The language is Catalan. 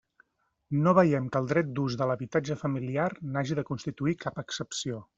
No veiem que el dret d'ús de l'habitatge familiar n'hagi de constituir cap excepció.